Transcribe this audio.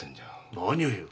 何を言う！